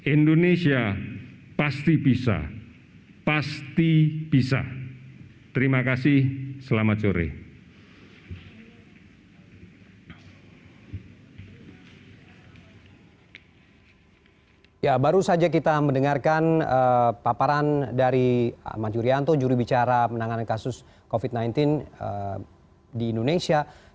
indonesia pasti bisa pasti bisa